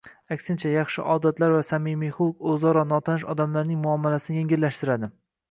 Aksincha, yaxshi odatlar va samimiy xulq o‘zaro notanish odamlarning muomalasini yengillashtiradi